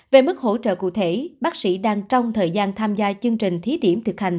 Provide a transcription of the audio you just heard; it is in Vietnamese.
về mức hỗ trợ cụ thể bác sĩ đang trong thời gian tham gia chương trình thí điểm thực hành